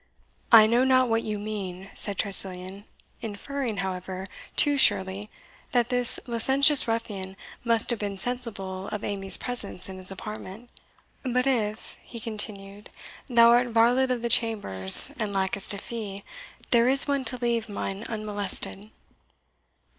"I know not what you mean," said Tressilian, inferring, however, too surely, that this licentious ruffian must have been sensible of Amy's presence in his apartment; "'i but if," he continued, "thou art varlet of the chambers, and lackest a fee, there is one to leave mine unmolested."